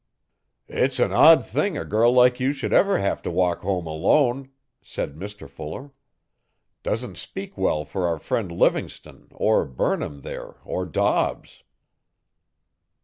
'It's an odd thing a girl like you should ever have to walk home alone,' said Mr Fuller. 'Doesn't speak well for our friend Livingstone or Burnham there or Dobbs.